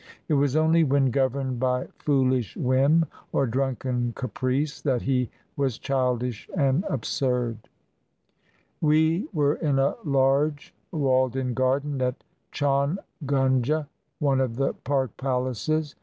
It was only when governed by foolish whim or drunken caprice that he was childish and absurd. ... 197 INDIA We were in a large walled in garden at Chaungunge, one of the park palaces.